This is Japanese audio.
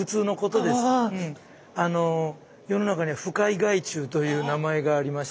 あの世の中には不快害虫という名前がありまして。